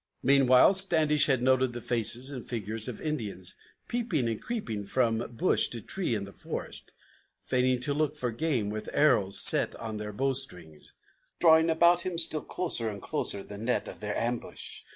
Meanwhile Standish had noted the faces and figures of Indians Peeping and creeping about from bush to tree in the forest, Feigning to look for game, with arrows set on their bow strings, Drawing about him still closer and closer the net of their ambush.